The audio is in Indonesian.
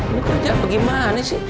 lu kerja bagaimana sih